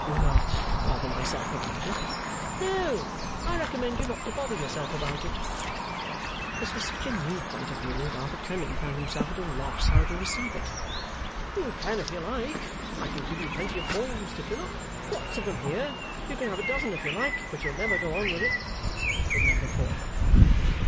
'Not bother myself about it?' 'No! I recommend you not to bother yourself about it.' This was such a new point of view that Arthur Clennam found himself at a loss how to receive it. 'You can if you like. I can give you plenty of forms to fill up. Lots of 'em here. You can have a dozen if you like. But you'll never go on with it,' said number four.